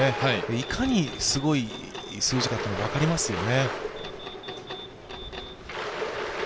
いかにすごい数字かっていうのが分かりますよね。